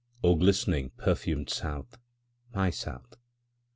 O glistening, perfumed South! My South!